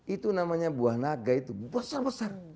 itu namanya buah naga itu besar besar